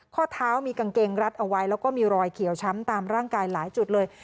ข้อเท้ามีกางเกงรัดเอาไว้แล้วก็มีรอยเขียวช้ำตามร่างกายหลายจุดเลย